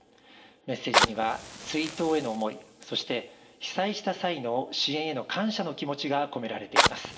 メッセージには、追悼への思い、そして被災した際の支援への感謝の気持ちが込められています。